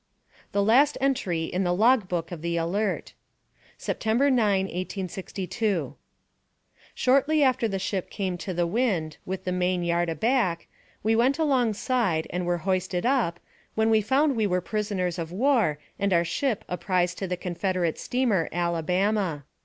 THE LAST ENTRY IN THE LOG BOOK OF THE ALERT. "September 9, 1862. "Shortly after the ship came to the wind, with the main yard aback, we went alongside and were hoisted up, when we found we were prisoners of war, and our ship a prize to the Confederate steamer Alabama.